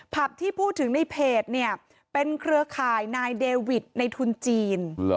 ที่พูดถึงในเพจเนี่ยเป็นเครือข่ายนายเดวิดในทุนจีน